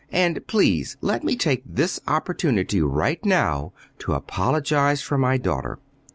"And please let me take this opportunity right now to apologize for my daughter.